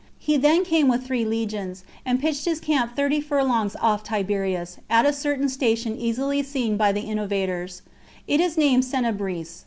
He then came with three legions, and pitched his camp thirty furlongs off Tiberias, at a certain station easily seen by the innovators; it is named Sennabris.